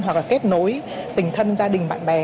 hoặc là kết nối tình thân gia đình bạn bè